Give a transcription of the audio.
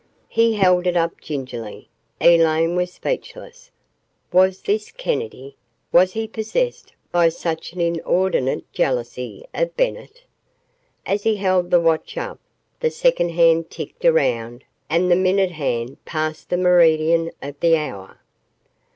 He held it up, gingerly. Elaine was speechless. Was this Kennedy? Was he possessed by such an inordinate jealousy of Bennett? As he held the watch up, the second hand ticked around and the minute hand passed the meridian of the hour.